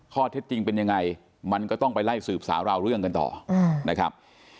ข้อเท็จจริงเป็นยังไงมันก็ต้องไปไล่สืบสาวราวเรื่องกันต่อนะครับ